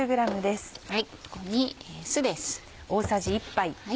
ここに酢です。